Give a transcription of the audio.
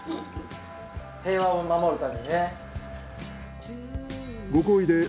平和を守るためにね。